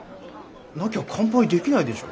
なきゃ乾杯できないでしょ。